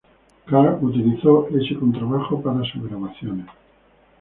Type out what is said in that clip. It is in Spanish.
Karr utilizó ese contrabajo para sus grabaciones.